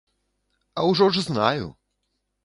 А ўжо ж знаю!